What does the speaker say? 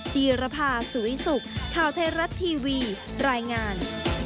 จีรภาสุริสุขข่าวไทยรัฐทีวีรายงาน